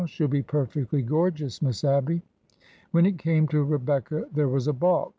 She 'll be perfectly gorgeous. Miss Abby." When it came to Rebecca, there was a balk.